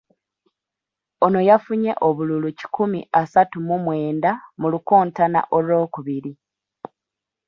Ono yafunye obululu kikumi asatu mu mwenda mu lukontana olwokubiri.